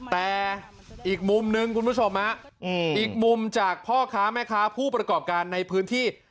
แต่อีกมุมนึงคุณผู้ชมอีกมุมจากพ่อค้าแม่ค้าผู้ประกอบการในพื้นที่